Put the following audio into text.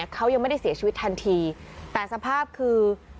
เขายังไม่ได้เสียชีวิตทันทีแต่สภาพคือ